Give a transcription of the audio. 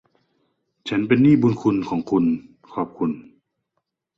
ฉันเป็นหนี้บุณคุณของคุณ ขอบคุณ